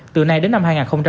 từ nay đến năm hai nghìn ba mươi